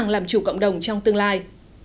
làm chủ cộng đồng trong tương lai